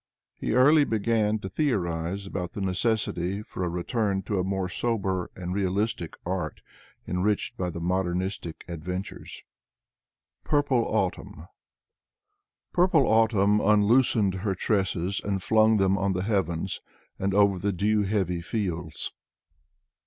He early began to theorize about the necessity for a return to a more sober and realistic art enriched by the modernistic adventures. 123 124 Georgy Chulkov a PURPLE AUTUMN " Purple Autumn unloosened her tresses and flung them On the heavens and over the dew heavy fields.